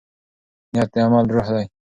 نیت د عمل روح دی.